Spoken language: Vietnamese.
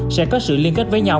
sẽ có sự liên kết với nhau